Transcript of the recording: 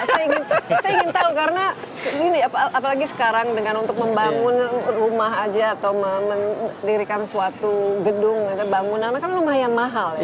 saya ingin tahu karena gini apalagi sekarang dengan untuk membangun rumah aja atau mendirikan suatu gedung atau bangunan kan lumayan mahal ya